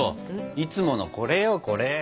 いつものこれよこれ！